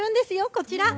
こちら。